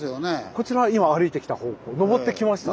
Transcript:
こちら今歩いてきた方向上ってきましたね。